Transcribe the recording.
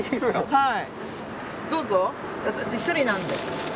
はい。